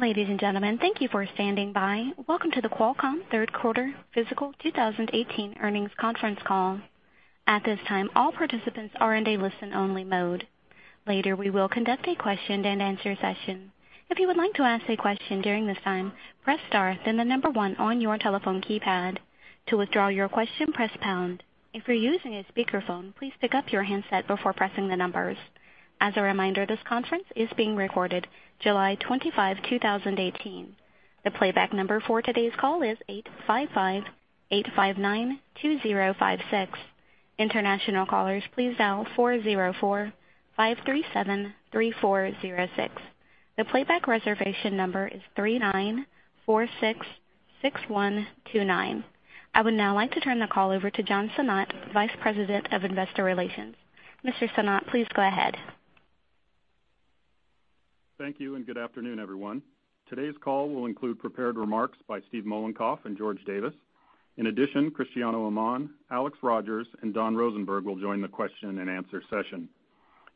Ladies and gentlemen, thank you for standing by. Welcome to the Qualcomm Third Quarter Fiscal 2018 Earnings Conference Call. At this time, all participants are in a listen-only mode. Later, we will conduct a question-and-answer session. If you would like to ask a question during this time, press star, then the number 1 on your telephone keypad. To withdraw your question, press pound. If you're using a speakerphone, please pick up your handset before pressing the numbers. As a reminder, this conference is being recorded July 25, 2018. The playback number for today's call is 855-859-2056. International callers please dial 404-537-3406. The playback reservation number is 3946-6129. I would now like to turn the call over to John Sinnott, Vice President of Investor Relations. Mr. Sinnott, please go ahead. Thank you. Good afternoon, everyone. Today's call will include prepared remarks by Steve Mollenkopf and George Davis. In addition, Cristiano Amon, Alex Rogers, and Don Rosenberg will join the question-and-answer session.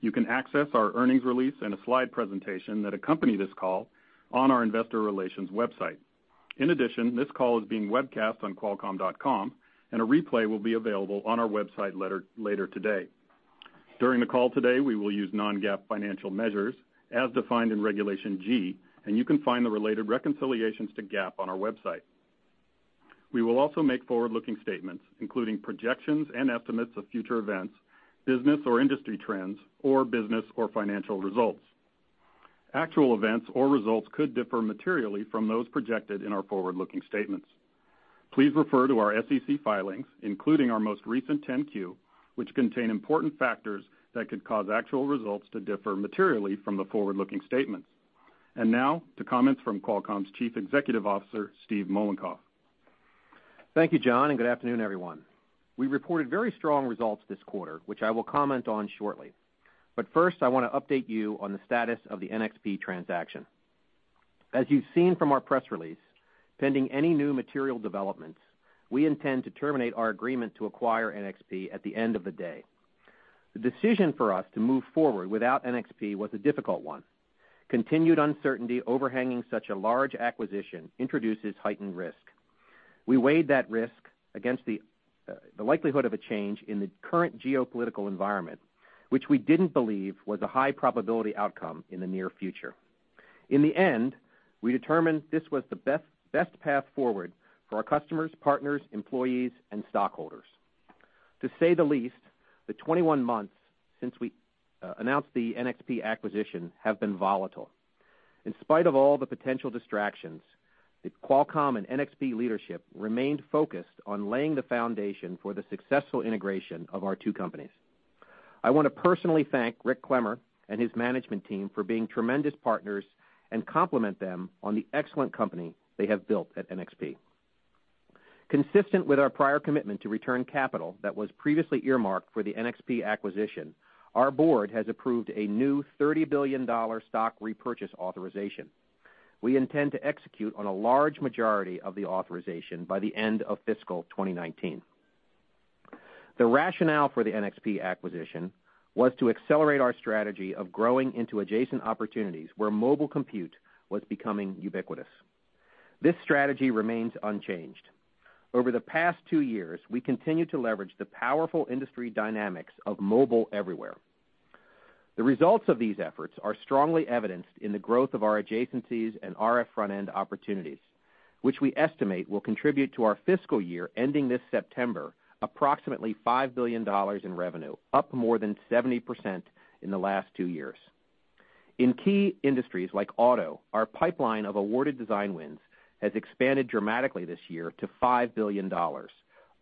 You can access our earnings release and a slide presentation that accompany this call on our investor relations website. In addition, this call is being webcast on qualcomm.com. A replay will be available on our website later today. During the call today, we will use non-GAAP financial measures as defined in Regulation G. You can find the related reconciliations to GAAP on our website. We will also make forward-looking statements, including projections and estimates of future events, business or industry trends, or business or financial results. Actual events or results could differ materially from those projected in our forward-looking statements. Please refer to our SEC filings, including our most recent 10-Q, which contain important factors that could cause actual results to differ materially from the forward-looking statements. Now to comments from Qualcomm's Chief Executive Officer, Steve Mollenkopf. Thank you, John. Good afternoon, everyone. We reported very strong results this quarter, which I will comment on shortly. First, I want to update you on the status of the NXP transaction. As you've seen from our press release, pending any new material developments, we intend to terminate our agreement to acquire NXP at the end of the day. The decision for us to move forward without NXP was a difficult one. Continued uncertainty overhanging such a large acquisition introduces heightened risk. We weighed that risk against the likelihood of a change in the current geopolitical environment, which we didn't believe was a high probability outcome in the near future. In the end, we determined this was the best path forward for our customers, partners, employees, and stockholders. To say the least, the 21 months since we announced the NXP acquisition have been volatile. In spite of all the potential distractions, the Qualcomm and NXP leadership remained focused on laying the foundation for the successful integration of our two companies. I want to personally thank Rick Clemmer and his management team for being tremendous partners and compliment them on the excellent company they have built at NXP. Consistent with our prior commitment to return capital that was previously earmarked for the NXP acquisition, our board has approved a new $30 billion stock repurchase authorization. We intend to execute on a large majority of the authorization by the end of fiscal 2019. The rationale for the NXP acquisition was to accelerate our strategy of growing into adjacent opportunities where mobile compute was becoming ubiquitous. This strategy remains unchanged. Over the past two years, we continued to leverage the powerful industry dynamics of mobile everywhere. The results of these efforts are strongly evidenced in the growth of our adjacencies and RF front-end opportunities, which we estimate will contribute to our fiscal year ending this September approximately $5 billion in revenue, up more than 70% in the last two years. In key industries like auto, our pipeline of awarded design wins has expanded dramatically this year to $5 billion,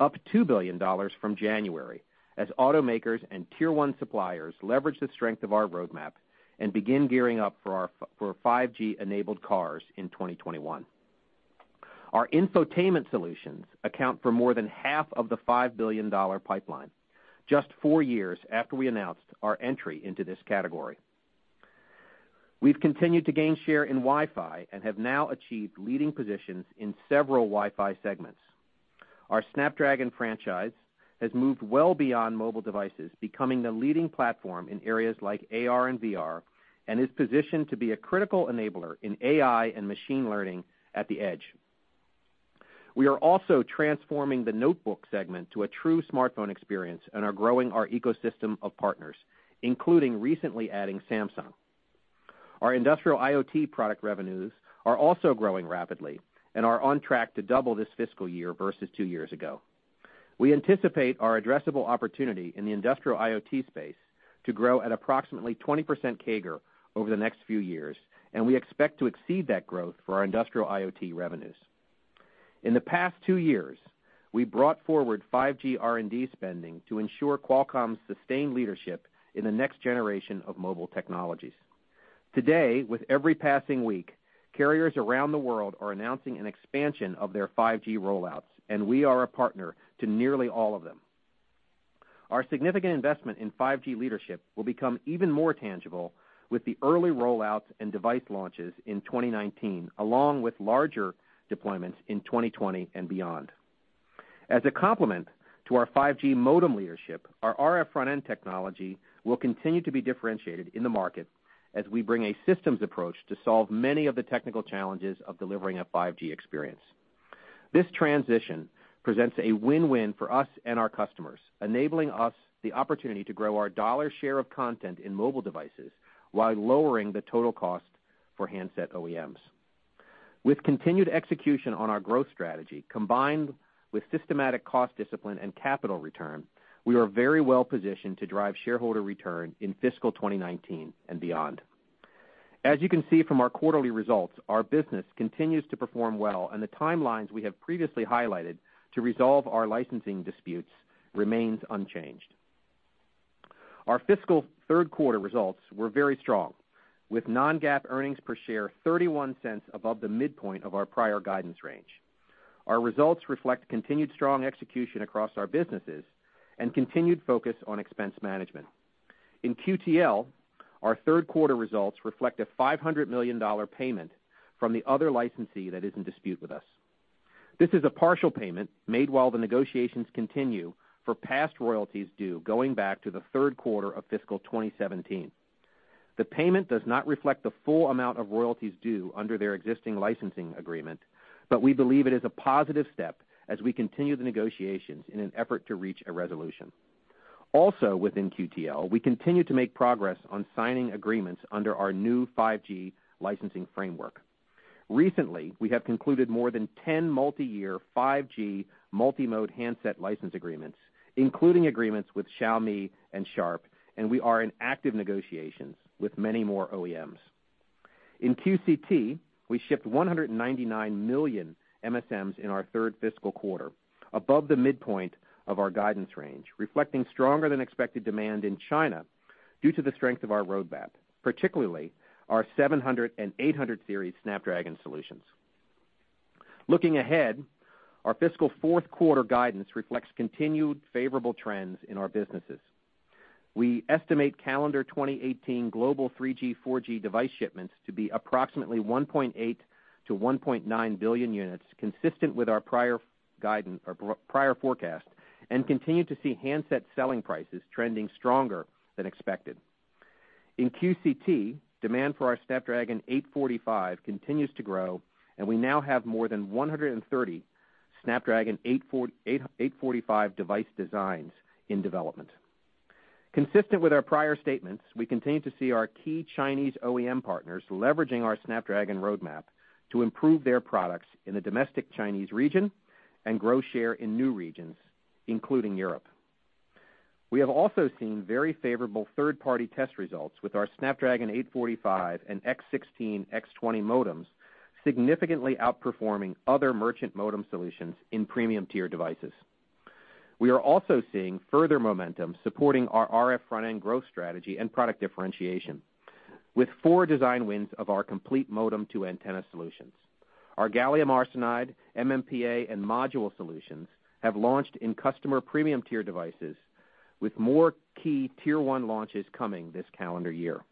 up $2 billion from January, as automakers and tier 1 suppliers leverage the strength of our roadmap and begin gearing up for 5G-enabled cars in 2021. Our infotainment solutions account for more than half of the $5 billion pipeline, just four years after we announced our entry into this category. We've continued to gain share in Wi-Fi and have now achieved leading positions in several Wi-Fi segments. Our Snapdragon franchise has moved well beyond mobile devices, becoming the leading platform in areas like AR and VR, and is positioned to be a critical enabler in AI and machine learning at the edge. We are also transforming the notebook segment to a true smartphone experience and are growing our ecosystem of partners, including recently adding Samsung. Our industrial IoT product revenues are also growing rapidly and are on track to double this fiscal year versus two years ago. We anticipate our addressable opportunity in the industrial IoT space to grow at approximately 20% CAGR over the next few years, and we expect to exceed that growth for our industrial IoT revenues. In the past two years, we brought forward 5G R&D spending to ensure Qualcomm's sustained leadership in the next generation of mobile technologies. Today, with every passing week, carriers around the world are announcing an expansion of their 5G rollouts, and we are a partner to nearly all of them. Our significant investment in 5G leadership will become even more tangible with the early rollouts and device launches in 2019, along with larger deployments in 2020 and beyond. As a complement to our 5G modem leadership, our RF front-end technology will continue to be differentiated in the market as we bring a systems approach to solve many of the technical challenges of delivering a 5G experience. This transition presents a win-win for us and our customers, enabling us the opportunity to grow our dollar share of content in mobile devices while lowering the total cost for handset OEMs. With continued execution on our growth strategy, combined with systematic cost discipline and capital return, we are very well positioned to drive shareholder return in fiscal 2019 and beyond. As you can see from our quarterly results, our business continues to perform well, and the timelines we have previously highlighted to resolve our licensing disputes remains unchanged. Our fiscal third quarter results were very strong with non-GAAP earnings per share $0.31 above the midpoint of our prior guidance range. Our results reflect continued strong execution across our businesses and continued focus on expense management. In QTL, our third quarter results reflect a $500 million payment from the other licensee that is in dispute with us. This is a partial payment made while the negotiations continue for past royalties due going back to the third quarter of fiscal 2017. The payment does not reflect the full amount of royalties due under their existing licensing agreement, we believe it is a positive step as we continue the negotiations in an effort to reach a resolution. Also within QTL, we continue to make progress on signing agreements under our new 5G licensing framework. Recently, we have concluded more than 10 multi-year 5G multi-mode handset license agreements, including agreements with Xiaomi and Sharp, and we are in active negotiations with many more OEMs. In QCT, we shipped 199 million MSMs in our third fiscal quarter, above the midpoint of our guidance range, reflecting stronger than expected demand in China due to the strength of our roadmap, particularly our 700 and 800 series Snapdragon solutions. Looking ahead, our fiscal fourth quarter guidance reflects continued favorable trends in our businesses. We estimate calendar 2018 global 3G, 4G device shipments to be approximately 1.8 to 1.9 billion units, consistent with our prior forecast, continue to see handset selling prices trending stronger than expected. In QCT, demand for our Snapdragon 845 continues to grow, and we now have more than 130 Snapdragon 845 device designs in development. Consistent with our prior statements, we continue to see our key Chinese OEM partners leveraging our Snapdragon roadmap to improve their products in the domestic Chinese region and grow share in new regions, including Europe. We have also seen very favorable third-party test results with our Snapdragon 845 and X16, X20 modems, significantly outperforming other merchant modem solutions in premium-tier devices. We are also seeing further momentum supporting our RF front-end growth strategy and product differentiation with four design wins of our complete modem to antenna solutions. Our gallium arsenide, MMPA, and module solutions have launched in customer premium-tier devices with more key tier 1 launches coming this calendar year.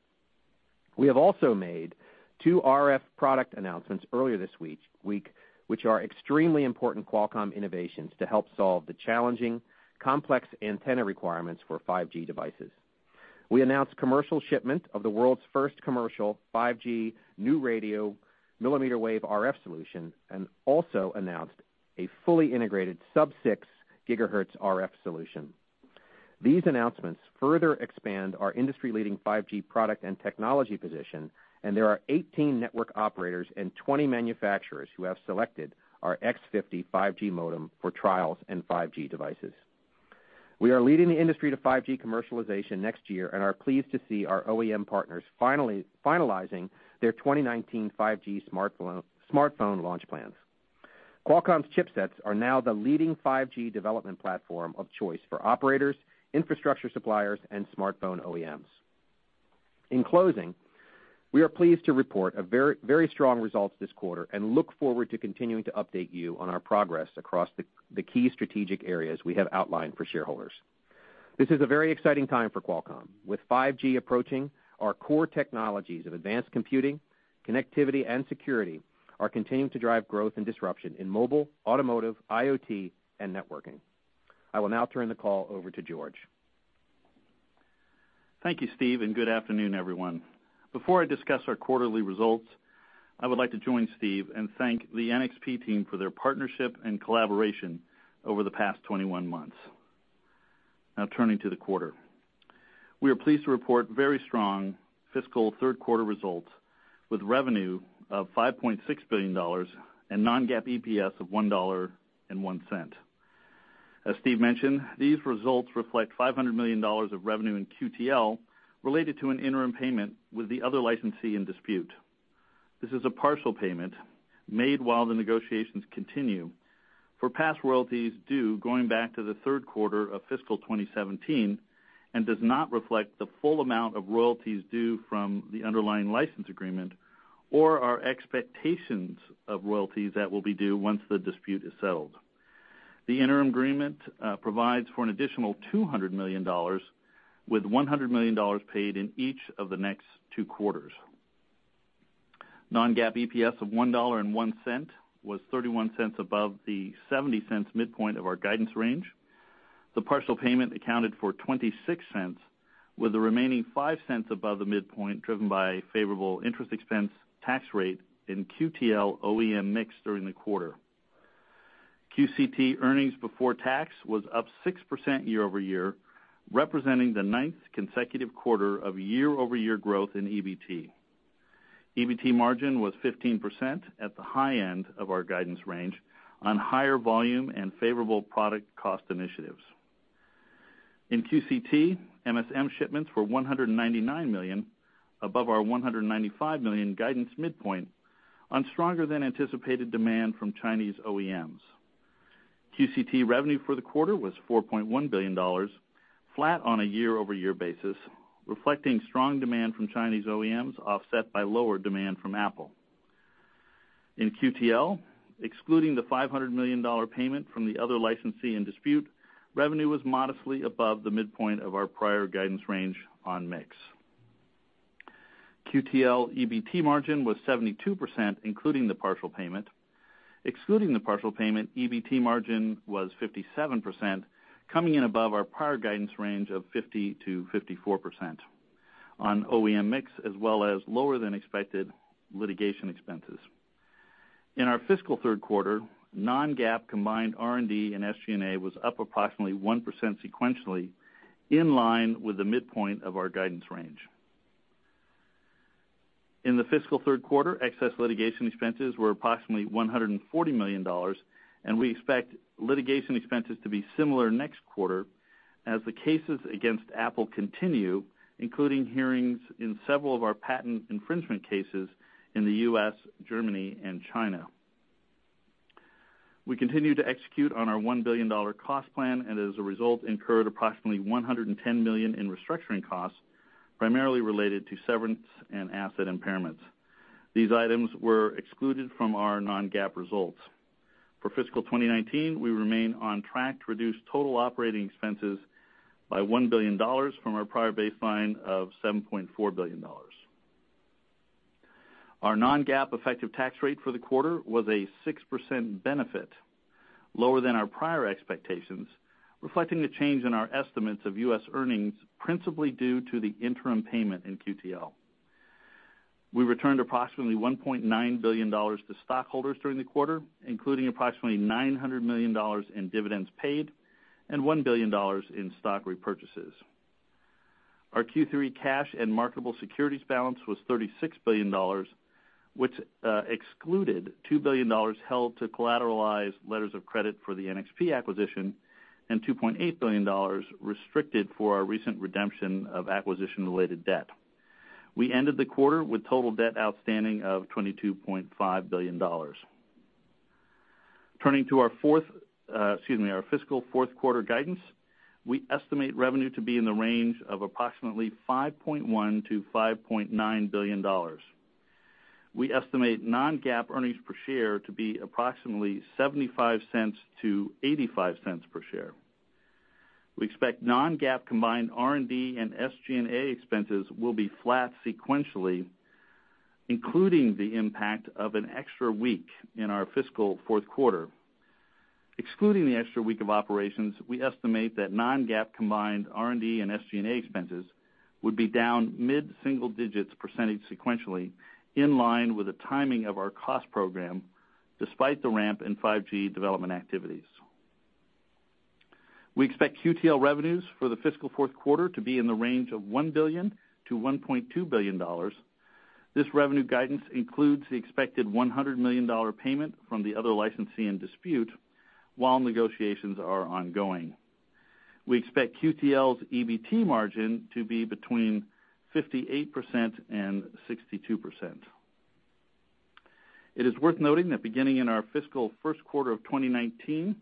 We have also made two RF product announcements earlier this week, which are extremely important Qualcomm innovations to help solve the challenging, complex antenna requirements for 5G devices. We announced commercial shipment of the world's first commercial 5G New Radio millimeter wave RF solution and also announced a fully integrated sub-6 gigahertz RF solution. These announcements further expand our industry-leading 5G product and technology position, there are 18 network operators and 20 manufacturers who have selected our X50 5G modem for trials and 5G devices. We are leading the industry to 5G commercialization next year and are pleased to see our OEM partners finalizing their 2019 5G smartphone launch plans. Qualcomm's chipsets are now the leading 5G development platform of choice for operators, infrastructure suppliers, and smartphone OEMs. In closing, we are pleased to report very strong results this quarter and look forward to continuing to update you on our progress across the key strategic areas we have outlined for shareholders. This is a very exciting time for Qualcomm. With 5G approaching, our core technologies of advanced computing, connectivity, and security are continuing to drive growth and disruption in mobile, automotive, IoT, and networking. I will now turn the call over to George. Thank you, Steve, and good afternoon, everyone. Before I discuss our quarterly results, I would like to join Steve and thank the NXP team for their partnership and collaboration over the past 21 months. Turning to the quarter. We are pleased to report very strong fiscal third quarter results with revenue of $5.6 billion and non-GAAP EPS of $1.01. As Steve mentioned, these results reflect $500 million of revenue in QTL related to an interim payment with the other licensee in dispute. This is a partial payment made while the negotiations continue for past royalties due going back to the third quarter of fiscal 2017 and does not reflect the full amount of royalties due from the underlying license agreement or our expectations of royalties that will be due once the dispute is settled. The interim agreement provides for an additional $200 million, with $100 million paid in each of the next two quarters. Non-GAAP EPS of $1.01 was $0.31 above the $0.70 midpoint of our guidance range. The partial payment accounted for $0.26, with the remaining $0.05 above the midpoint driven by favorable interest expense tax rate in QTL OEM mix during the quarter. QCT earnings before tax was up 6% year-over-year, representing the ninth consecutive quarter of year-over-year growth in EBT. EBT margin was 15% at the high end of our guidance range on higher volume and favorable product cost initiatives. In QCT, MSM shipments were 199 million, above our 195 million guidance midpoint on stronger than anticipated demand from Chinese OEMs. QCT revenue for the quarter was $4.1 billion, flat on a year-over-year basis, reflecting strong demand from Chinese OEMs, offset by lower demand from Apple. In QTL, excluding the $500 million payment from the other licensee in dispute, revenue was modestly above the midpoint of our prior guidance range on mix. QTL EBT margin was 72%, including the partial payment. Excluding the partial payment, EBT margin was 57%, coming in above our prior guidance range of 50%-54% on OEM mix, as well as lower than expected litigation expenses. In our fiscal third quarter, non-GAAP combined R&D and SG&A was up approximately 1% sequentially, in line with the midpoint of our guidance range. In the fiscal third quarter, excess litigation expenses were approximately $140 million, we expect litigation expenses to be similar next quarter as the cases against Apple continue, including hearings in several of our patent infringement cases in the U.S., Germany, and China. We continue to execute on our $1 billion cost plan, as a result, incurred approximately $110 million in restructuring costs, primarily related to severance and asset impairments. These items were excluded from our non-GAAP results. For fiscal 2019, we remain on track to reduce total operating expenses by $1 billion from our prior baseline of $7.4 billion. Our non-GAAP effective tax rate for the quarter was a 6% benefit, lower than our prior expectations, reflecting the change in our estimates of U.S. earnings, principally due to the interim payment in QTL. We returned approximately $1.9 billion to stockholders during the quarter, including approximately $900 million in dividends paid and $1 billion in stock repurchases. Our Q3 cash and marketable securities balance was $36 billion, which excluded $2 billion held to collateralize letters of credit for the NXP acquisition and $2.8 billion restricted for our recent redemption of acquisition-related debt. We ended the quarter with total debt outstanding of $22.5 billion. Turning to our fiscal fourth quarter guidance, we estimate revenue to be in the range of approximately $5.1 billion-$5.9 billion. We estimate non-GAAP earnings per share to be approximately $0.75-$0.85 per share. We expect non-GAAP combined R&D and SG&A expenses will be flat sequentially, including the impact of an extra week in our fiscal fourth quarter. Excluding the extra week of operations, we estimate that non-GAAP combined R&D and SG&A expenses would be down mid-single digits percentage sequentially, in line with the timing of our cost program, despite the ramp in 5G development activities. We expect QTL revenues for the fiscal fourth quarter to be in the range of $1 billion-$1.2 billion. This revenue guidance includes the expected $100 million payment from the other licensee in dispute while negotiations are ongoing. We expect QTL's EBT margin to be between 58% and 62%. It is worth noting that beginning in our fiscal first quarter of 2019,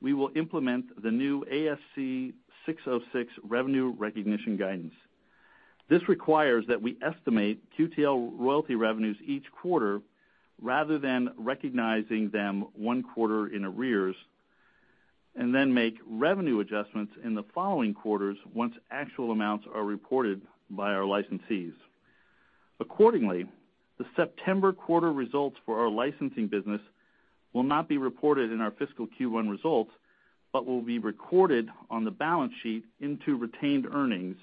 we will implement the new ASC 606 revenue recognition guidance. This requires that we estimate QTL royalty revenues each quarter, rather than recognizing them one quarter in arrears, make revenue adjustments in the following quarters once actual amounts are reported by our licensees. Accordingly, the September quarter results for our licensing business will not be reported in our fiscal Q1 results but will be recorded on the balance sheet into retained earnings,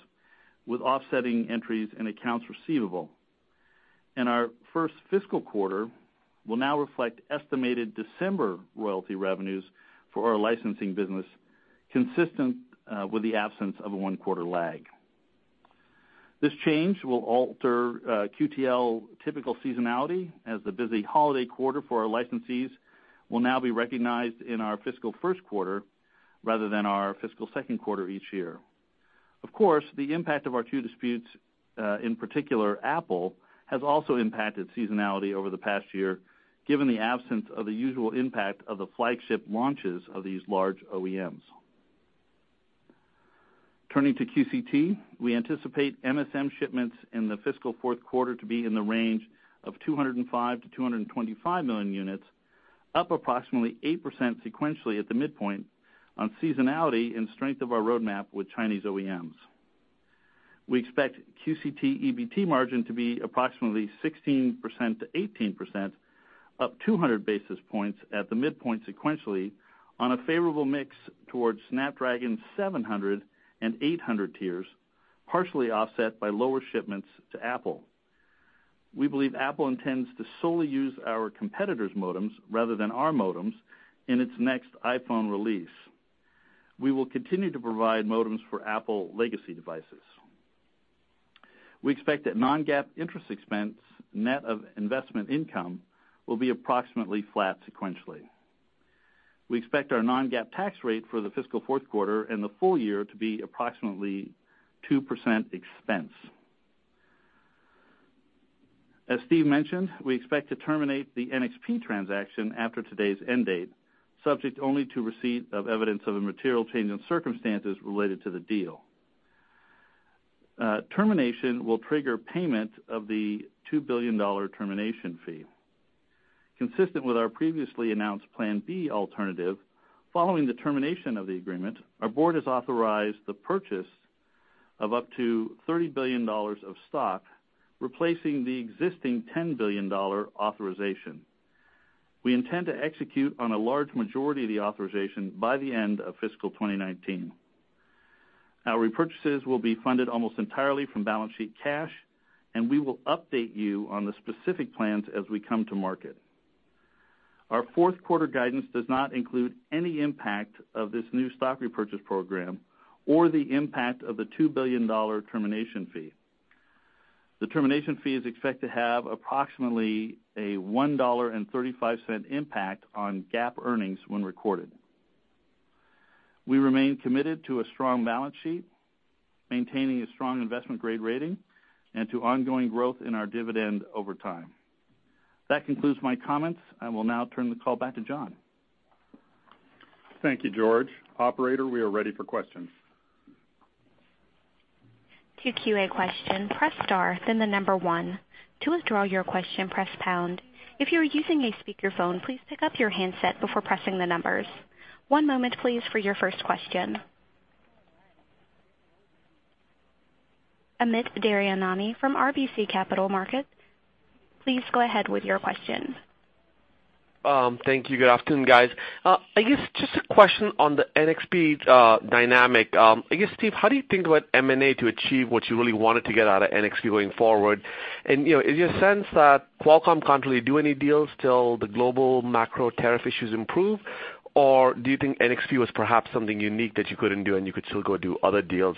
with offsetting entries and accounts receivable. Our first fiscal quarter will now reflect estimated December royalty revenues for our licensing business, consistent with the absence of a one-quarter lag. This change will alter QTL typical seasonality as the busy holiday quarter for our licensees will now be recognized in our fiscal first quarter rather than our fiscal second quarter each year. Of course, the impact of our two disputes, in particular Apple, has also impacted seasonality over the past year, given the absence of the usual impact of the flagship launches of these large OEMs. Turning to QCT, we anticipate MSM shipments in the fiscal fourth quarter to be in the range of 205-225 million units, up approximately 8% sequentially at the midpoint on seasonality and strength of our roadmap with Chinese OEMs. We expect QCT EBT margin to be approximately 16%-18%, up 200 basis points at the midpoint sequentially on a favorable mix towards Snapdragon 700 and 800 tiers, partially offset by lower shipments to Apple. We believe Apple intends to solely use our competitor's modems rather than our modems in its next iPhone release. We will continue to provide modems for Apple legacy devices. We expect that non-GAAP interest expense net of investment income will be approximately flat sequentially. We expect our non-GAAP tax rate for the fiscal fourth quarter and the full year to be approximately 2% expense. As Steve mentioned, we expect to terminate the NXP transaction after today's end date, subject only to receipt of evidence of a material change in circumstances related to the deal. Termination will trigger payment of the $2 billion termination fee. Consistent with our previously announced Plan B alternative, following the termination of the agreement, our board has authorized the purchase of up to $30 billion of stock, replacing the existing $10 billion authorization. We intend to execute on a large majority of the authorization by the end of fiscal 2019. Our repurchases will be funded almost entirely from balance sheet cash, and we will update you on the specific plans as we come to market. Our fourth quarter guidance does not include any impact of this new stock repurchase program or the impact of the $2 billion termination fee. The termination fee is expected to have approximately a $1.35 impact on GAAP earnings when recorded. We remain committed to a strong balance sheet, maintaining a strong investment-grade rating, and to ongoing growth in our dividend over time. That concludes my comments. I will now turn the call back to John. Thank you, George. Operator, we are ready for questions. To queue a question, press star, then the number 1. To withdraw your question, press pound. If you are using a speakerphone, please pick up your handset before pressing the numbers. One moment, please, for your first question. Amit Daryanani from RBC Capital Markets, please go ahead with your question. Thank you. Good afternoon, guys. I guess just a question on the NXP dynamic. I guess, Steve, how do you think about M&A to achieve what you really wanted to get out of NXP going forward? Is your sense that Qualcomm can't really do any deals till the global macro tariff issues improve, or do you think NXP was perhaps something unique that you couldn't do and you could still go do other deals?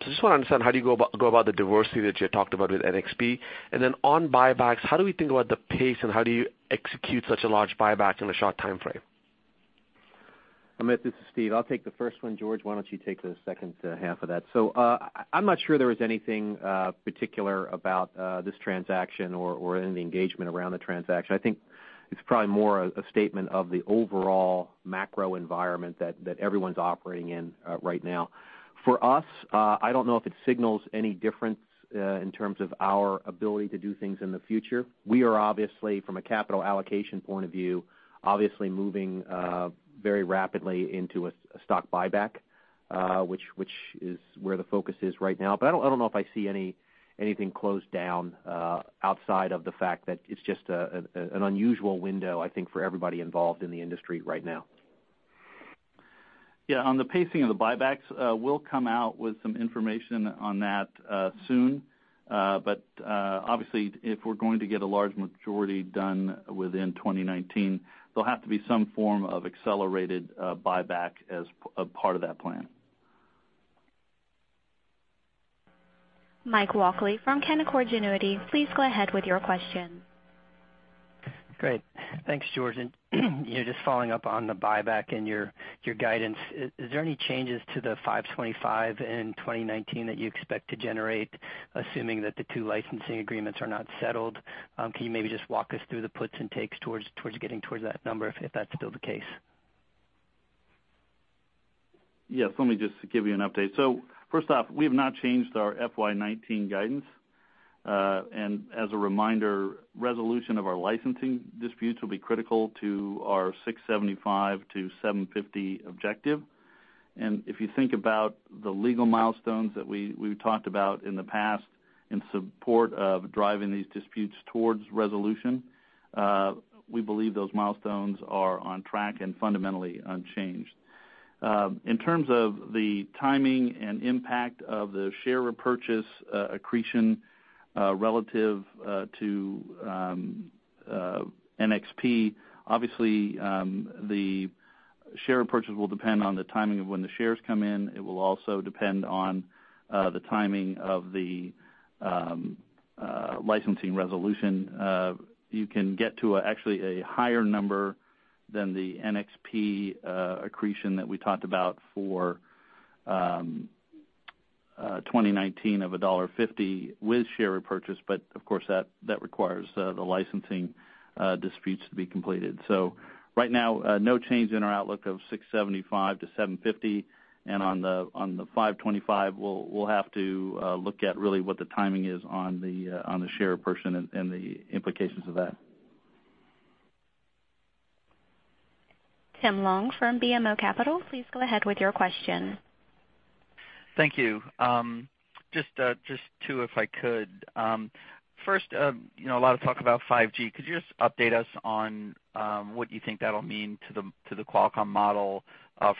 Just want to understand how do you go about the diversity that you had talked about with NXP. On buybacks, how do we think about the pace and how do you execute such a large buyback in a short timeframe? Amit, this is Steve. I'll take the first one. George, why don't you take the second half of that. I'm not sure there was anything particular about this transaction or in the engagement around the transaction. I think it's probably more a statement of the overall macro environment that everyone's operating in right now. For us, I don't know if it signals any difference in terms of our ability to do things in the future. We are obviously, from a capital allocation point of view, obviously moving very rapidly into a stock buyback, which is where the focus is right now. I don't know if I see anything closed down outside of the fact that it's just an unusual window, I think, for everybody involved in the industry right now. On the pacing of the buybacks, we'll come out with some information on that soon. Obviously, if we're going to get a large majority done within 2019, there'll have to be some form of accelerated buyback as a part of that plan. Mike Walkley from Canaccord Genuity, please go ahead with your question. Great. Thanks, George. Just following up on the buyback and your guidance, is there any changes to the $5.25 in 2019 that you expect to generate, assuming that the two licensing agreements are not settled? Can you maybe just walk us through the puts and takes towards getting towards that number if that's still the case? Yes, let me just give you an update. First off, we have not changed our FY 2019 guidance. As a reminder, resolution of our licensing disputes will be critical to our $6.75-$7.50 objective. If you think about the legal milestones that we talked about in the past in support of driving these disputes towards resolution, we believe those milestones are on track and fundamentally unchanged. In terms of the timing and impact of the share repurchase accretion relative to NXP, obviously, the share repurchase will depend on the timing of when the shares come in. It will also depend on the timing of the licensing resolution. You can get to actually a higher number than the NXP accretion that we talked about for 2019 of $1.50 with share repurchase, of course, that requires the licensing disputes to be completed. Right now, no change in our outlook of $6.75-$7.50. On the $5.25, we'll have to look at really what the timing is on the share repurchase and the implications of that. Tim Long from BMO Capital, please go ahead with your question. Thank you. Just two, if I could. First, a lot of talk about 5G. Could you just update us on what you think that'll mean to the Qualcomm model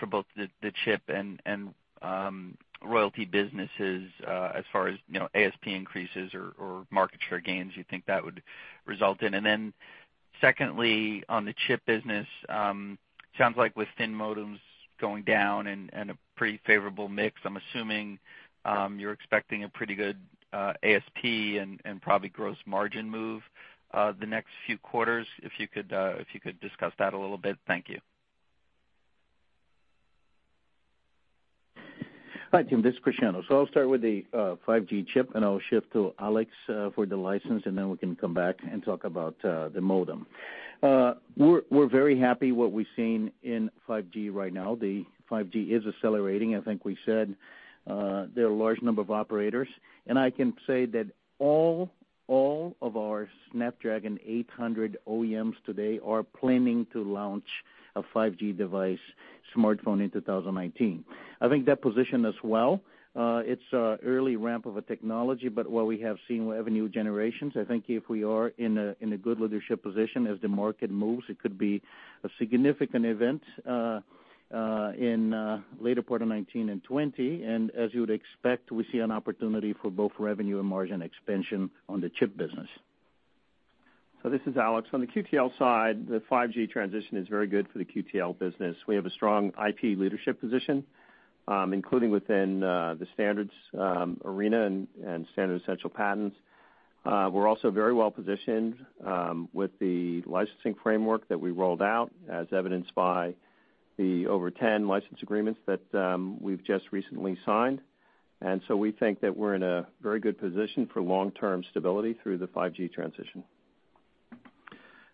for both the chip and royalty businesses as far as ASP increases or market share gains you think that would result in? Secondly, on the chip business, sounds like with thin modems going down and a pretty favorable mix, I'm assuming you're expecting a pretty good ASP and probably gross margin move the next few quarters. If you could discuss that a little bit. Thank you. Hi, Tim. This is Cristiano. I'll start with the 5G chip, I'll shift to Alex for the license, then we can come back and talk about the modem. We're very happy what we've seen in 5G right now. The 5G is accelerating. I think we said there are a large number of operators, I can say that all of our Snapdragon 800 OEMs today are planning to launch a 5G device smartphone in 2019. I think that position as well, it's early ramp of a technology, but what we have seen with every generation, I think if we are in a good leadership position as the market moves, it could be a significant event in later part of 2019 and 2020. As you would expect, we see an opportunity for both revenue and margin expansion on the chip business. This is Alex. On the QTL side, the 5G transition is very good for the QTL business. We have a strong IP leadership position, including within the standards arena and standard essential patents. We're also very well-positioned with the licensing framework that we rolled out, as evidenced by the over 10 license agreements that we've just recently signed. We think that we're in a very good position for long-term stability through the 5G transition.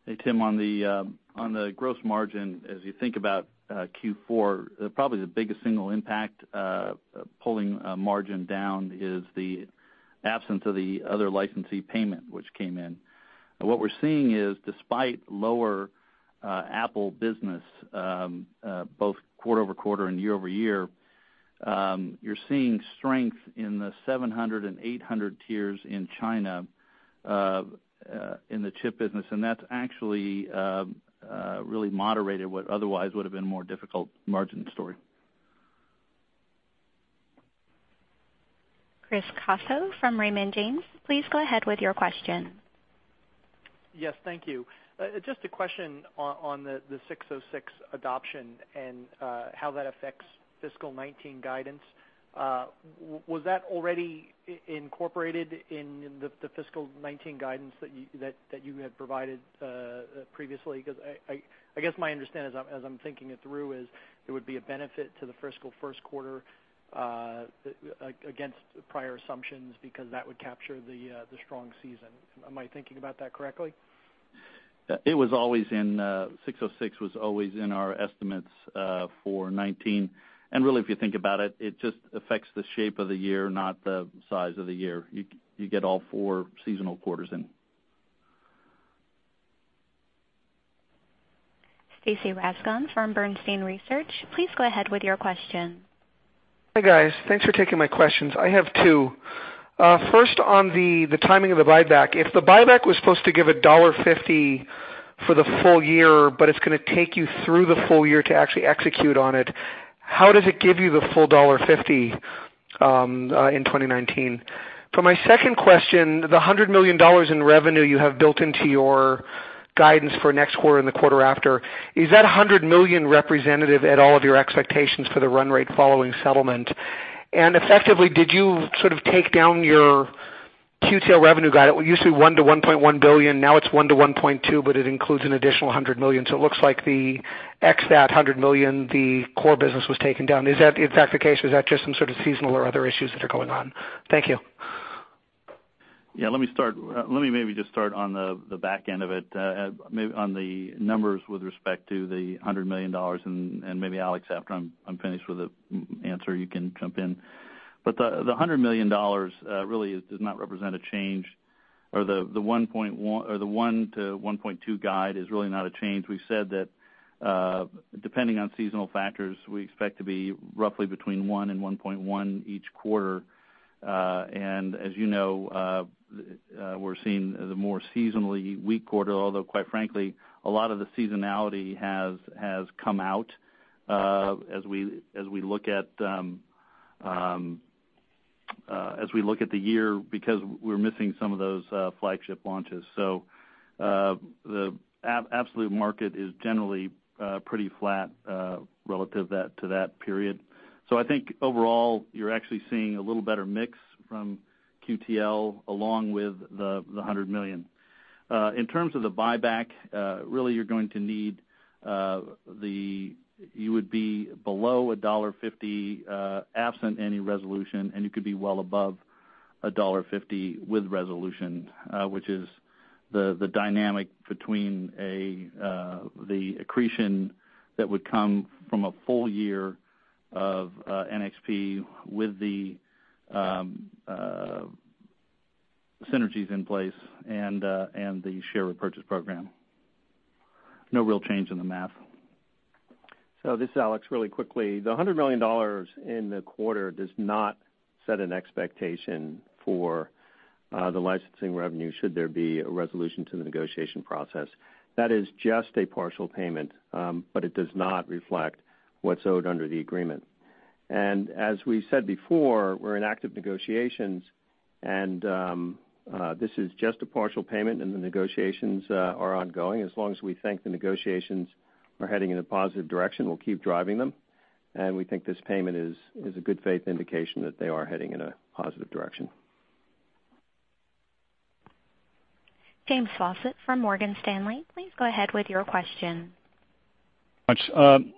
Hey, Tim, on the gross margin, as you think about Q4, probably the biggest single impact pulling margin down is the absence of the other licensee payment which came in. What we're seeing is despite lower Apple business, both quarter-over-quarter and year-over-year, you're seeing strength in the 700 and 800 tiers in China in the chip business, that's actually really moderated what otherwise would've been a more difficult margin story. Chris Caso from Raymond James, please go ahead with your question. Yes, thank you. Just a question on the 606 adoption and how that affects fiscal 2019 guidance. Was that already incorporated in the fiscal 2019 guidance that you had provided previously? I guess my understanding as I'm thinking it through is it would be a benefit to the fiscal first quarter against prior assumptions because that would capture the strong season. Am I thinking about that correctly? 606 was always in our estimates for 2019. Really, if you think about it just affects the shape of the year, not the size of the year. You get all four seasonal quarters in. Stacy Rasgon from Bernstein Research, please go ahead with your question. Hi, guys. Thanks for taking my questions. I have two. First on the timing of the buyback. If the buyback was supposed to give a $1.50 for the full year, but it's going to take you through the full year to actually execute on it, how does it give you the full $1.50 in 2019? For my second question, the $100 million in revenue you have built into your guidance for next quarter and the quarter after, is that $100 million representative at all of your expectations for the run rate following settlement? Effectively, did you sort of take down your QTL revenue guide? It was usually $1 billion to $1.1 billion, now it's $1 billion to $1.2 billion, but it includes an additional $100 million. It looks like the ex that $100 million, the core business was taken down. Is that the case or is that just some sort of seasonal or other issues that are going on? Thank you. Let me maybe just start on the back end of it, on the numbers with respect to the $100 million, and maybe Alex, after I'm finished with the answer, you can jump in. The $100 million really does not represent a change, or the $1 billion to $1.2 billion guide is really not a change. We've said that depending on seasonal factors, we expect to be roughly between $1 billion and $1.1 billion each quarter. As you know, we're seeing the more seasonally weak quarter, although quite frankly, a lot of the seasonality has come out as we look at the year because we're missing some of those flagship launches. I think overall, you're actually seeing a little better mix from QTL along with the $100 million. In terms of the buyback, really you would be below $1.50 absent any resolution, and you could be well above $1.50 with resolution, which is the dynamic between the accretion that would come from a full year of NXP with the synergies in place and the share repurchase program. No real change in the math. This is Alex, really quickly, the $100 million in the quarter does not set an expectation for the licensing revenue should there be a resolution to the negotiation process. That is just a partial payment, it does not reflect what's owed under the agreement. As we said before, we're in active negotiations and this is just a partial payment, the negotiations are ongoing. As long as we think the negotiations are heading in a positive direction, we'll keep driving them. We think this payment is a good faith indication that they are heading in a positive direction. James Faucette from Morgan Stanley, please go ahead with your question. Thanks very much.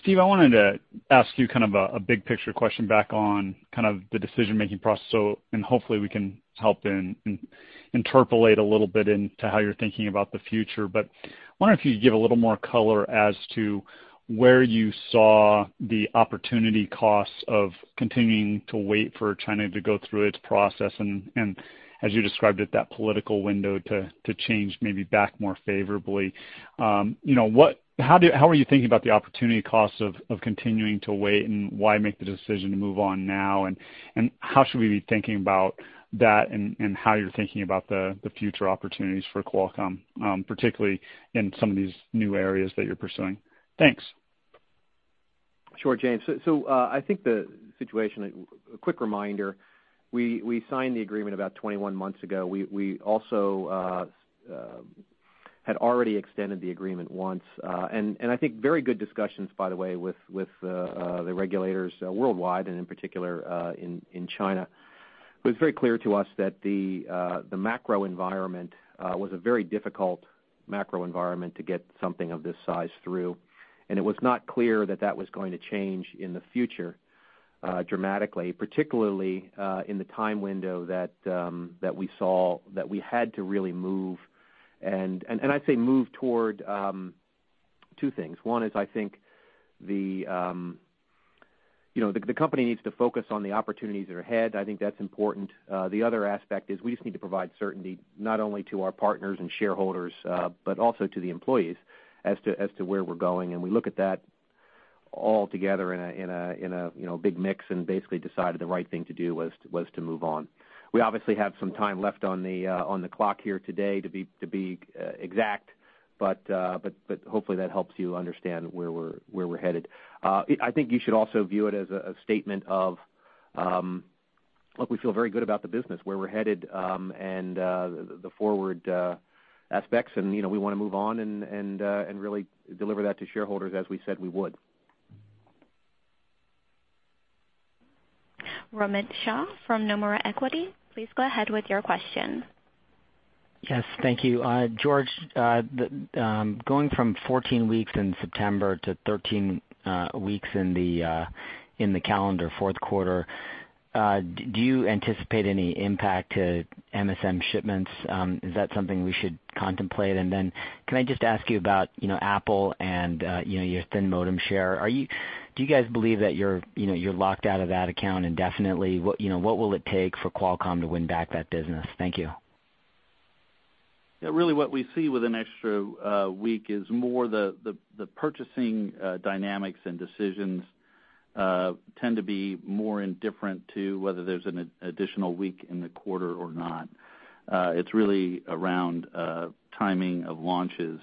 Steve, I wanted to ask you a big-picture question back on the decision-making process. Hopefully we can help interpolate a little bit into how you're thinking about the future. I wonder if you could give a little more color as to where you saw the opportunity costs of continuing to wait for China to go through its process and, as you described it, that political window to change maybe back more favorably. How are you thinking about the opportunity costs of continuing to wait, and why make the decision to move on now? How should we be thinking about that, and how you're thinking about the future opportunities for Qualcomm, particularly in some of these new areas that you're pursuing? Thanks. Sure, James. I think the situation, a quick reminder, we signed the agreement about 21 months ago. We also had already extended the agreement once. I think very good discussions, by the way, with the regulators worldwide, and in particular, in China. It was very clear to us that the macro environment was a very difficult macro environment to get something of this size through, and it was not clear that that was going to change in the future dramatically, particularly in the time window that we saw that we had to really move, and I say move toward two things. One is I think the company needs to focus on the opportunities that are ahead. I think that's important. The other aspect is we just need to provide certainty not only to our partners and shareholders, but also to the employees as to where we're going. We look at that all together in a big mix and basically decided the right thing to do was to move on. We obviously have some time left on the clock here today to be exact, hopefully that helps you understand where we're headed. I think you should also view it as a statement of, look, we feel very good about the business, where we're headed, and the forward aspects, and we want to move on and really deliver that to shareholders as we said we would. Romit Shah from Nomura Instinet, please go ahead with your question. Yes, thank you. George, going from 14 weeks in September to 13 weeks in the calendar fourth quarter, do you anticipate any impact to MSM shipments? Is that something we should contemplate? Then can I just ask you about Apple and your thin modem share. Do you guys believe that you're locked out of that account indefinitely? What will it take for Qualcomm to win back that business? Thank you. Really what we see with an extra week is more the purchasing dynamics and decisions tend to be more indifferent to whether there's an additional week in the quarter or not. It's really around timing of launches.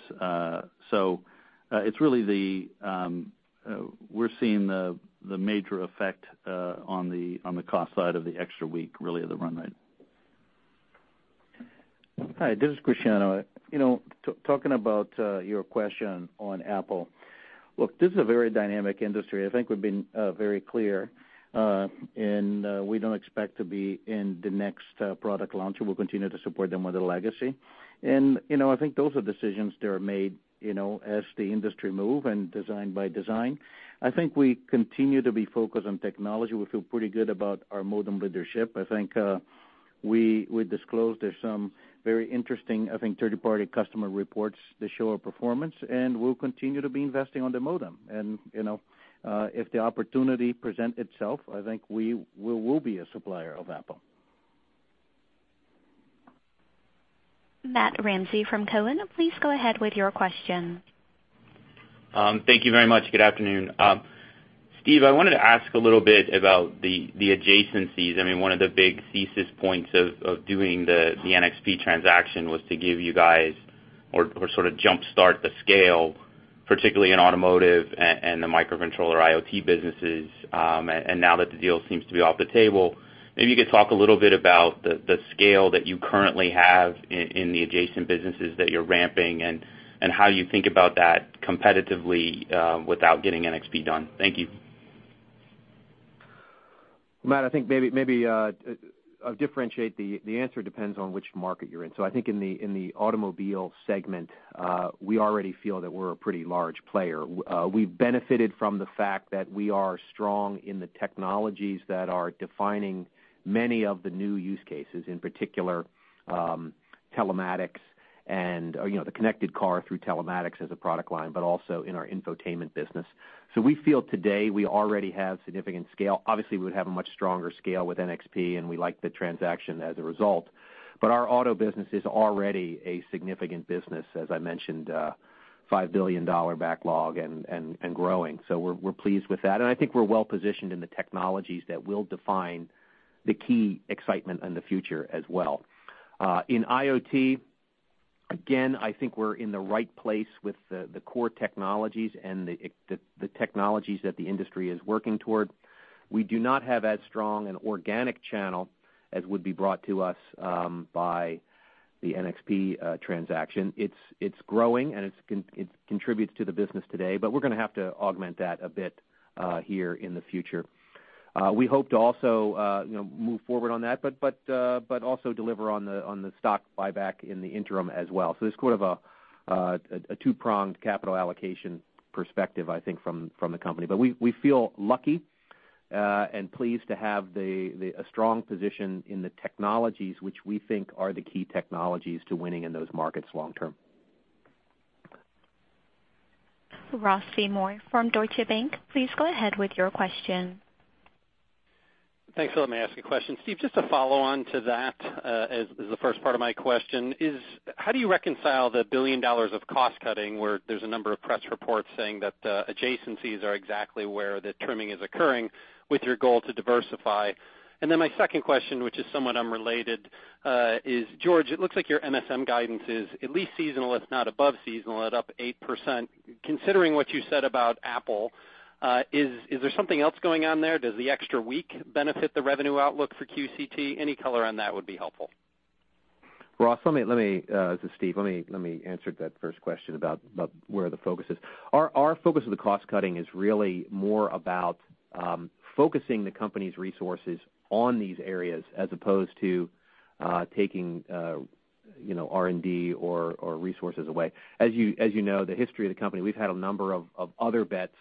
We're seeing the major effect on the cost side of the extra week, really of the run rate. Hi, this is Cristiano. Talking about your question on Apple, look, this is a very dynamic industry. I think we've been very clear. We don't expect to be in the next product launch. We'll continue to support them with the legacy. I think those are decisions that are made as the industry move and design by design. I think we continue to be focused on technology. We feel pretty good about our modem leadership. I think we disclosed there's some very interesting, I think third-party customer reports that show our performance. We'll continue to be investing on the modem. If the opportunity present itself, I think we will be a supplier of Apple. Matthew Ramsay from Cowen, please go ahead with your question. Thank you very much. Good afternoon. Steve, I wanted to ask a little bit about the adjacencies. One of the big thesis points of doing the NXP transaction was to give you guys or sort of jumpstart the scale, particularly in automotive and the microcontroller IoT businesses. Now that the deal seems to be off the table, maybe you could talk a little bit about the scale that you currently have in the adjacent businesses that you're ramping and how you think about that competitively without getting NXP done. Thank you. Matt, I think maybe I'll differentiate, the answer depends on which market you're in. I think in the automobile segment, we already feel that we're a pretty large player. We've benefited from the fact that we are strong in the technologies that are defining many of the new use cases, in particular, telematics and the connected car through telematics as a product line, but also in our infotainment business. We feel today we already have significant scale. Obviously, we would have a much stronger scale with NXP. We like the transaction as a result. Our auto business is already a significant business, as I mentioned, $5 billion backlog and growing. We're pleased with that. I think we're well-positioned in the technologies that will define the key excitement in the future as well. In IoT, again, I think we're in the right place with the core technologies and the technologies that the industry is working toward. We do not have as strong an organic channel as would be brought to us by the NXP transaction. It's growing, and it contributes to the business today, but we're going to have to augment that a bit here in the future. We hope to also move forward on that, but also deliver on the stock buyback in the interim as well. There's sort of a two-pronged capital allocation perspective, I think from the company. We feel lucky and pleased to have a strong position in the technologies which we think are the key technologies to winning in those markets long term. Ross Seymore from Deutsche Bank, please go ahead with your question. Thanks for letting me ask a question. Steve, just to follow on to that, as the first part of my question is, how do you reconcile the $1 billion of cost cutting where there's a number of press reports saying that adjacencies are exactly where the trimming is occurring with your goal to diversify? My second question, which is somewhat unrelated, is, George, it looks like your MSM guidance is at least seasonal, if not above seasonal, at up 8%. Considering what you said about Apple, is there something else going on there? Does the extra week benefit the revenue outlook for QCT? Any color on that would be helpful. Ross, this is Steve. Let me answer that first question about where the focus is. Our focus of the cost cutting is really more about focusing the company's resources on these areas as opposed to taking R&D or resources away. As you know, the history of the company, we've had a number of other bets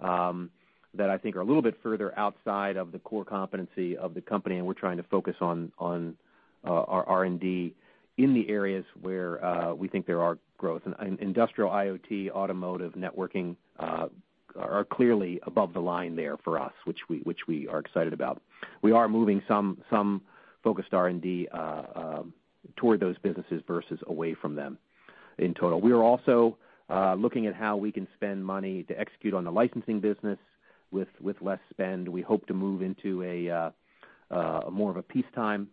that I think are a little bit further outside of the core competency of the company, and we're trying to focus on our R&D in the areas where we think there are growth. Industrial IoT, automotive, networking are clearly above the line there for us, which we are excited about. We are moving some focused R&D toward those businesses versus away from them in total. We are also looking at how we can spend money to execute on the licensing business with less spend. We hope to move into more of a peacetime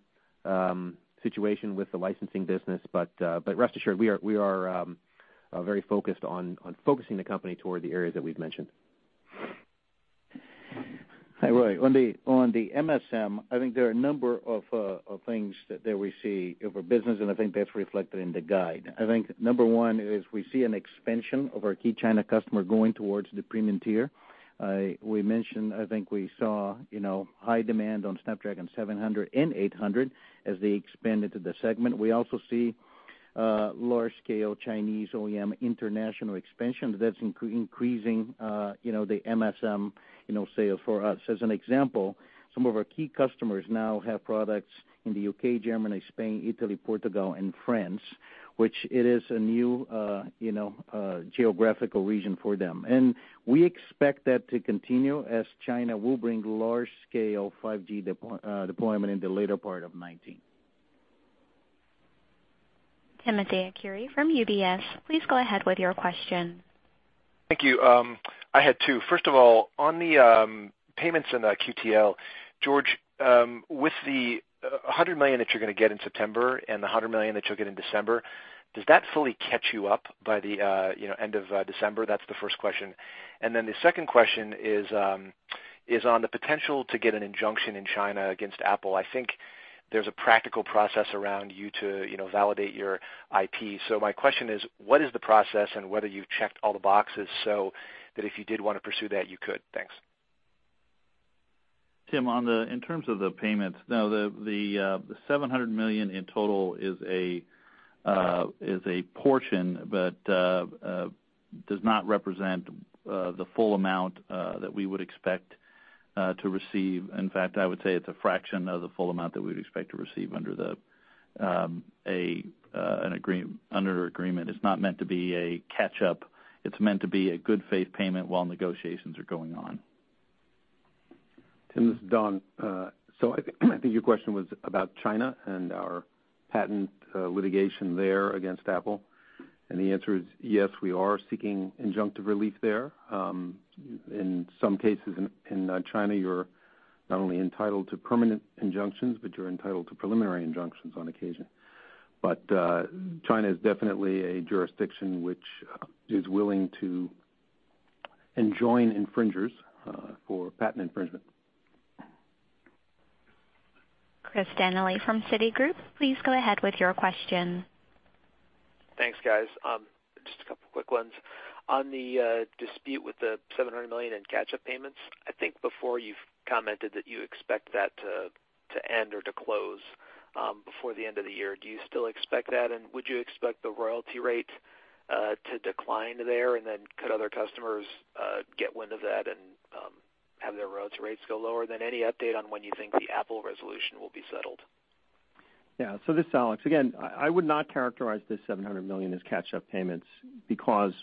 situation with the licensing business. Rest assured, we are very focused on focusing the company toward the areas that we've mentioned. Hi, Ross. On the MSM, I think there are a number of things that we see of our business, and I think that's reflected in the guide. I think number 1 is we see an expansion of our key China customer going towards the premium tier. We mentioned, I think we saw high demand on Snapdragon 700 and 800 as they expand into the segment. We also see large-scale Chinese OEM international expansion that's increasing the MSM sales for us. As an example, some of our key customers now have products in the U.K., Germany, Spain, Italy, Portugal, and France, which it is a new geographical region for them. We expect that to continue as China will bring large-scale 5G deployment in the later part of 2019. Timothy Arcuri from UBS, please go ahead with your question. Thank you. I had 2. First of all, on the payments in the QTL, George, with the $100 million that you're going to get in September and the $100 million that you'll get in December, does that fully catch you up by the end of December? That's the first question. The second question is on the potential to get an injunction in China against Apple. I think there's a practical process around you to validate your IP. My question is, what is the process and whether you've checked all the boxes so that if you did want to pursue that, you could? Thanks. Tim, in terms of the payments, now the $700 million in total is a portion, but does not represent the full amount that we would expect to receive. I would say it's a fraction of the full amount that we'd expect to receive under an agreement. It's not meant to be a catch-up. It's meant to be a good faith payment while negotiations are going on. Tim, this is Don. I think your question was about China and our patent litigation there against Apple. The answer is, yes, we are seeking injunctive relief there. In some cases in China, you're not only entitled to permanent injunctions, but you're entitled to preliminary injunctions on occasion. China is definitely a jurisdiction which is willing to enjoin infringers for patent infringement. Chris Danely from Citigroup, please go ahead with your question. Thanks, guys. Just a couple of quick ones. On the dispute with the $700 million in catch-up payments, I think before you've commented that you expect that to end or to close before the end of the year. Do you still expect that, and would you expect the royalty rate to decline there? Could other customers get wind of that and have their royalty rates go lower? Any update on when you think the Apple resolution will be settled? Yeah. This is Alex. Again, I would not characterize this $700 million as catch-up payments because,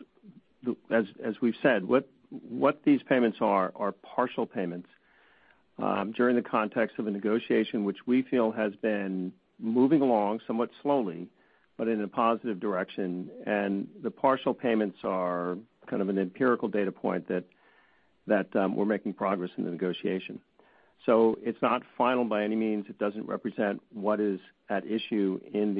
as we've said, what these payments are partial payments during the context of a negotiation, which we feel has been moving along somewhat slowly, but in a positive direction. The partial payments are kind of an empirical data point that we're making progress in the negotiation. It's not final by any means. It doesn't represent what is at issue in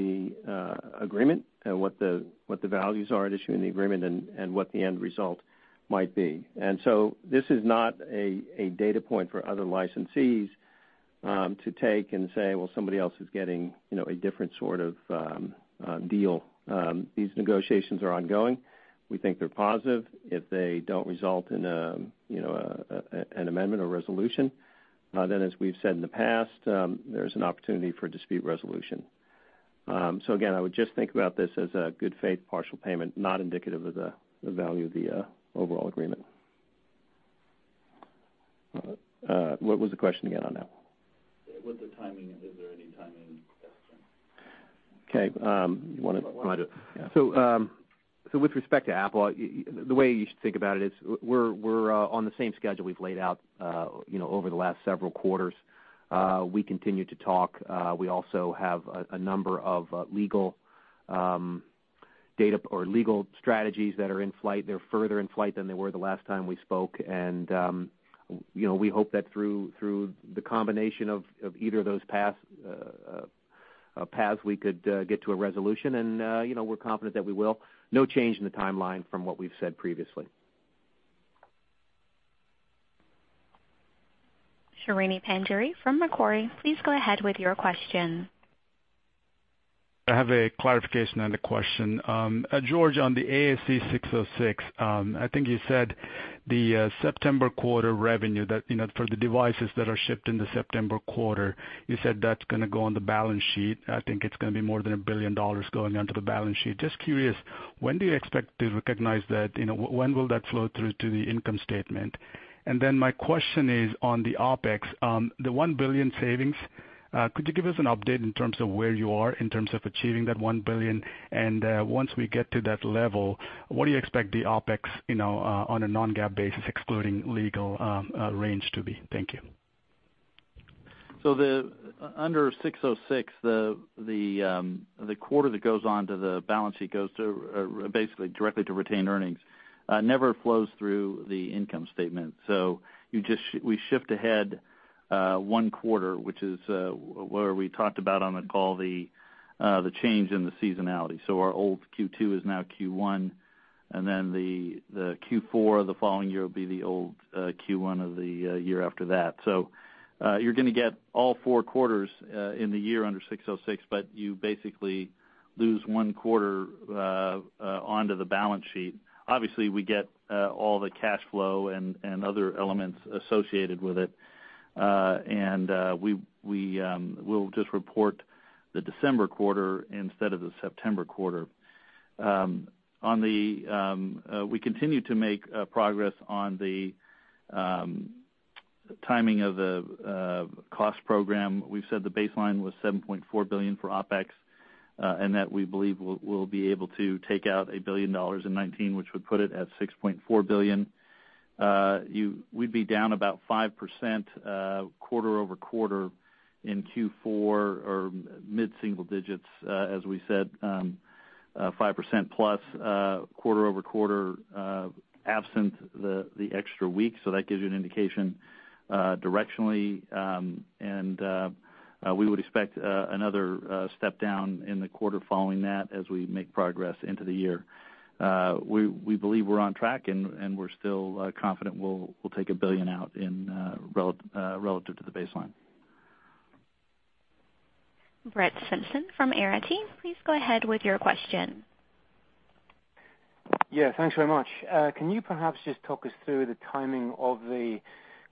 the agreement and what the values are at issue in the agreement and what the end result might be. This is not a data point for other licensees to take and say, well, somebody else is getting a different sort of deal. These negotiations are ongoing. We think they're positive. If they don't result in an amendment or resolution, then as we've said in the past, there's an opportunity for dispute resolution. Again, I would just think about this as a good faith partial payment, not indicative of the value of the overall agreement. What was the question again on that? With the timing, is there any timing? Okay. You want to- I'll do it. With respect to Apple, the way you should think about it is we're on the same schedule we've laid out over the last several quarters. We continue to talk. We also have a number of legal strategies that are in flight. They're further in flight than they were the last time we spoke. We hope that through the combination of either of those paths, we could get to a resolution. We're confident that we will. No change in the timeline from what we've said previously. Srini Pajjuri from Macquarie, please go ahead with your question. I have a clarification and a question. George, on the ASC 606, I think you said the September quarter revenue that for the devices that are shipped in the September quarter, you said that's gonna go on the balance sheet. I think it's gonna be more than $1 billion going onto the balance sheet. Just curious, when do you expect to recognize that? When will that flow through to the income statement? My question is on the OPEX, the $1 billion savings, could you give us an update in terms of where you are in terms of achieving that $1 billion? Once we get to that level, what do you expect the OPEX on a non-GAAP basis excluding legal range to be? Thank you. Under 606, the quarter that goes on to the balance sheet goes to basically directly to retained earnings, never flows through the income statement. We shift ahead one quarter, which is where we talked about on the call, the change in the seasonality. Our old Q2 is now Q1, and then the Q4 of the following year will be the old Q1 of the year after that. You're gonna get all four quarters in the year under 606, but you basically lose one quarter onto the balance sheet. Obviously, we get all the cash flow and other elements associated with it. We'll just report the December quarter instead of the September quarter. We continue to make progress on the timing of the cost program. We've said the baseline was $7.4 billion for OPEX, and that we believe we'll be able to take out $1 billion in 2019, which would put it at $6.4 billion. We'd be down about 5% quarter-over-quarter in Q4 or mid-single digits, as we said, 5% plus quarter-over-quarter, absent the extra week. That gives you an indication directionally. We would expect another step down in the quarter following that as we make progress into the year. We believe we're on track, and we're still confident we'll take $1 billion out in relative to the baseline. Brett Simpson from Arete. Please go ahead with your question. Yeah. Thanks very much. Can you perhaps just talk us through the timing of the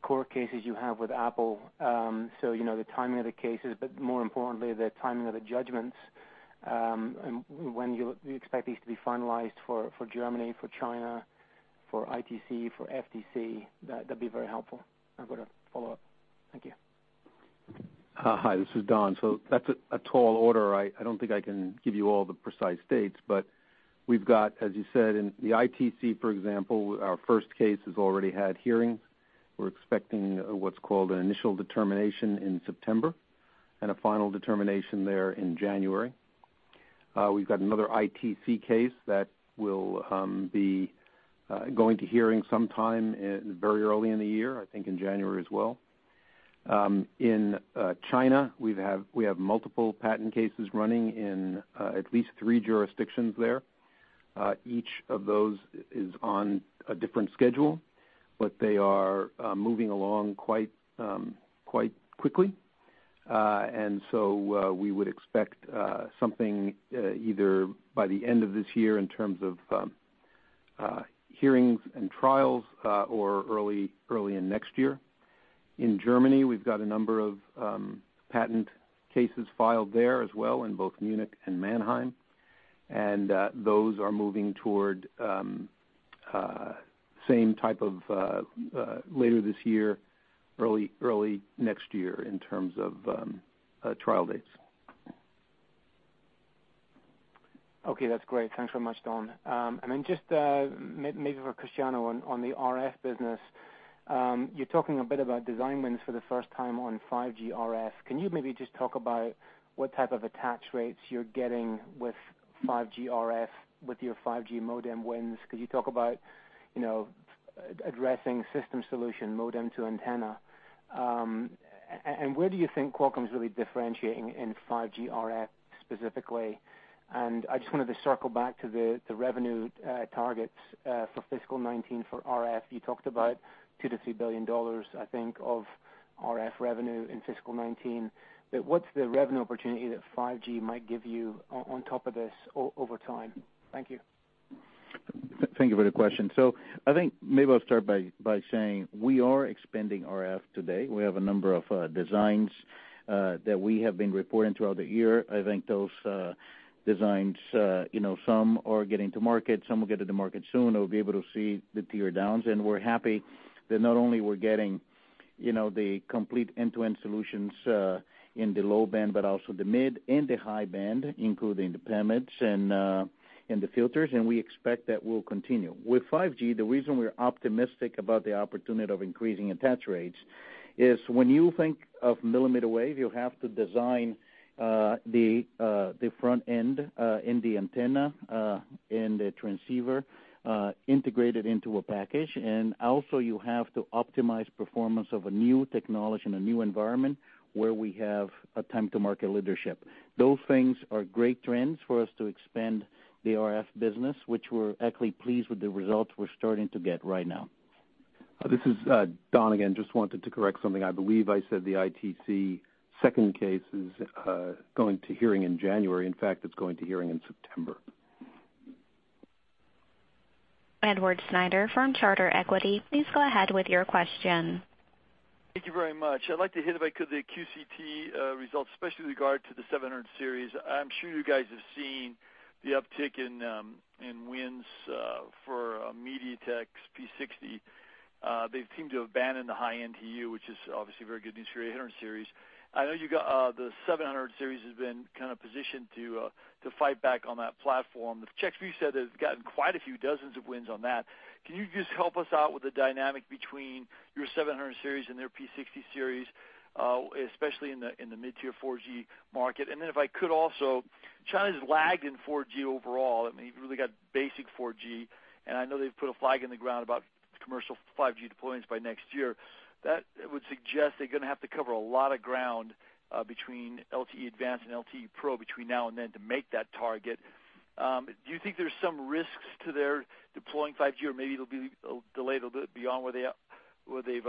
court cases you have with Apple? You know the timing of the cases, but more importantly, the timing of the judgments, and when you expect these to be finalized for Germany, for China, for ITC, for FTC? That'd be very helpful. I've got a follow-up. Thank you. Hi, this is Don. That's a tall order. I don't think I can give you all the precise dates, but we've got, as you said, in the ITC, for example, our first case has already had hearings. We're expecting what's called an initial determination in September and a final determination there in January. We've got another ITC case that will be going to hearing sometime very early in the year, I think in January as well. In China, we have multiple patent cases running in at least three jurisdictions there. Each of those is on a different schedule, but they are moving along quite quickly. We would expect something either by the end of this year in terms of hearings and trials or early in next year. In Germany, we've got a number of patent cases filed there as well in both Munich and Mannheim, and those are moving toward same type of later this year, early next year in terms of trial dates. Okay, that's great. Thanks very much, Don. Just maybe for Cristiano on the RF business. You're talking a bit about design wins for the first time on 5G RF. Can you maybe just talk about what type of attach rates you're getting with 5G RF, with your 5G modem wins? Could you talk about addressing system solution modem to antenna. Where do you think Qualcomm is really differentiating in 5G RF specifically? I just wanted to circle back to the revenue targets for fiscal 2019 for RF. You talked about $2 billion-$3 billion, I think, of RF revenue in fiscal 2019. What's the revenue opportunity that 5G might give you on top of this over time? Thank you. Thank you for the question. I think maybe I'll start by saying we are expanding RF today. We have a number of designs that we have been reporting throughout the year. I think those designs, some are getting to market, some will get to the market soon, and we'll be able to see the tear downs. We're happy that not only we're getting the complete end-to-end solutions in the low band, but also the mid and the high band, including the PAMs and the filters. We expect that will continue. With 5G, the reason we're optimistic about the opportunity of increasing attach rates is when you think of millimeter wave, you have to design the front end and the antenna and the transceiver integrated into a package. Also you have to optimize performance of a new technology in a new environment where we have a time to market leadership. Those things are great trends for us to expand the RF business, which we're actually pleased with the results we're starting to get right now. This is Don again. Just wanted to correct something. I believe I said the ITC second case is going to hearing in January. In fact, it's going to hearing in September. Edward Snyder from Charter Equity, please go ahead with your question. Thank you very much. I'd like to hit, if I could, the QCT results, especially with regard to the Snapdragon 700 series. I'm sure you guys have seen the uptick in wins for MediaTek's P60. They seem to have abandoned the high-end PU, which is obviously very good news for your Snapdragon 800 series. I know the Snapdragon 700 series has been kind of positioned to fight back on that platform. CheckView said they've gotten quite a few dozens of wins on that. Can you just help us out with the dynamic between your Snapdragon 700 series and their P60 series, especially in the mid-tier 4G market? China has lagged in 4G overall. I mean, you've really got basic 4G, and I know they've put a flag in the ground about commercial 5G deployments by next year. That would suggest they're going to have to cover a lot of ground between LTE Advanced and LTE Pro between now and then to make that target. Do you think there's some risks to their deploying 5G, or maybe it'll be delayed a little bit beyond where they've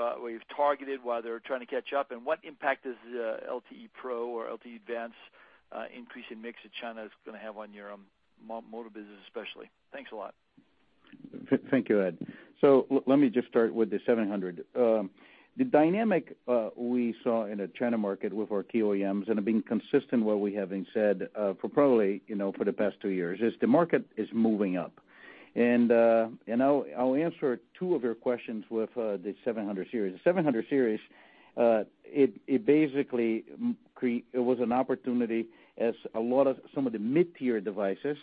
targeted while they're trying to catch up? What impact does LTE Pro or LTE Advanced increase in mix that China is going to have on your mobile business, especially? Thanks a lot. Thank you, Ed. Let me just start with the 700. The dynamic we saw in the China market with our OEMs, and have been consistent what we have been said for probably for the past two years, is the market is moving up. I'll answer two of your questions with the Snapdragon 700 series. The Snapdragon 700 series, it basically was an opportunity as some of the mid-tier devices,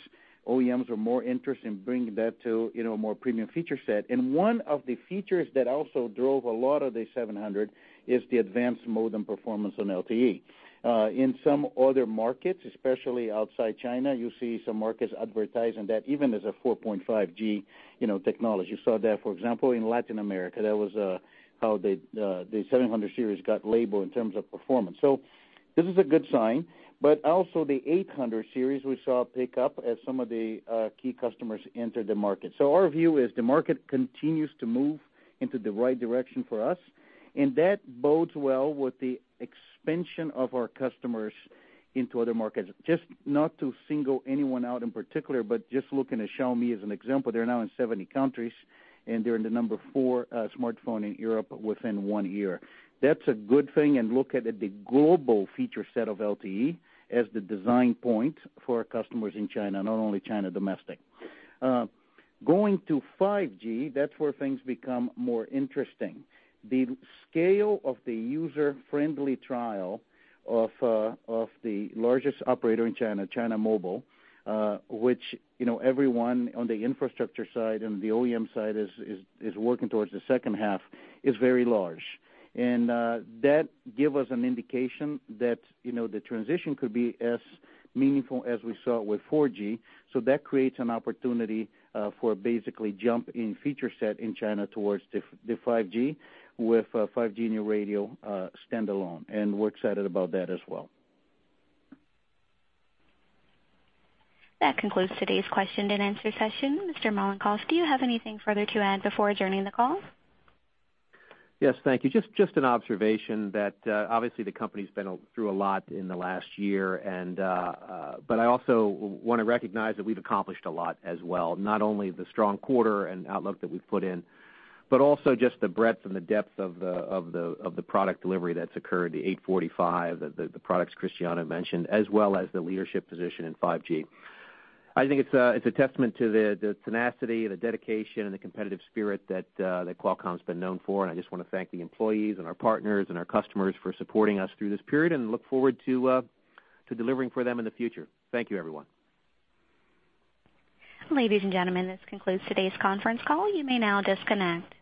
OEMs were more interested in bringing that to a more premium feature set. One of the features that also drove a lot of the 700 is the advanced modem performance on LTE. In some other markets, especially outside China, you see some markets advertising that even as a 4.5G technology. You saw that, for example, in Latin America. That was how the Snapdragon 700 series got labeled in terms of performance. This is a good sign, but also the Snapdragon 800 series, we saw a pickup as some of the key customers entered the market. Our view is the market continues to move into the right direction for us, and that bodes well with the expansion of our customers into other markets. Just not to single anyone out in particular, but just looking at Xiaomi as an example, they're now in 70 countries, and they're the number 4 smartphone in Europe within one year. That's a good thing, and look at the global feature set of LTE as the design point for our customers in China, not only China domestic. Going to 5G, that's where things become more interesting. The scale of the user-friendly trial of the largest operator in China Mobile, which everyone on the infrastructure side and the OEM side is working towards the second half, is very large. That give us an indication that the transition could be as meaningful as we saw with 4G. That creates an opportunity for basically jump in feature set in China towards the 5G with 5G New Radio Standalone. We're excited about that as well. That concludes today's question and answer session. Mr. Mollenkopf, do you have anything further to add before adjourning the call? Yes. Thank you. Just an observation that obviously the company's been through a lot in the last year, I also want to recognize that we've accomplished a lot as well, not only the strong quarter and outlook that we've put in, also just the breadth and the depth of the product delivery that's occurred, the 845, the products Cristiano mentioned, as well as the leadership position in 5G. I think it's a testament to the tenacity, the dedication, and the competitive spirit that Qualcomm has been known for, I just want to thank the employees and our partners and our customers for supporting us through this period and look forward to delivering for them in the future. Thank you, everyone. Ladies and gentlemen, this concludes today's conference call. You may now disconnect.